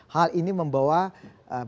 hal ini membawanya ke pilgub